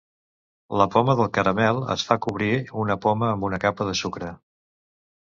La poma del caramel es fa cobrint una poma amb una capa de sucre.